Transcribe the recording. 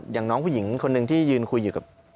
อย่างน้องผู้หญิงคนหนึ่งที่ยืนคุยอยู่กับ